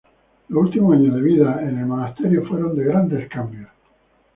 Los últimos años de vida en el monasterio fueron de grandes cambios.